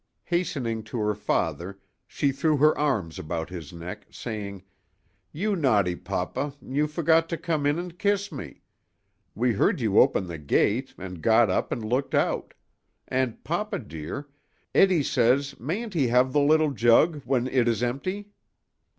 Hastening to her father she threw her arms about his neck, saying: "You naughty papa, you forgot to come in and kiss me. We heard you open the gate and got up and looked out. And, papa dear, Eddy says mayn't he have the little jug when it is empty?"